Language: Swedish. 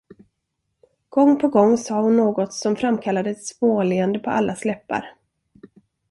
Gång på gång sade hon något, som framkallade ett småleende på allas läppar.